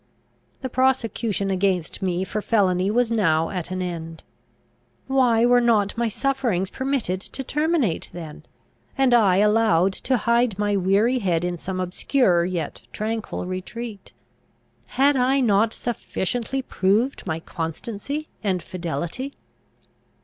"The prosecution against me for felony was now at an end. Why were not my sufferings permitted to terminate then, and I allowed to hide my weary head in some obscure yet tranquil retreat? Had I not sufficiently proved my constancy and fidelity?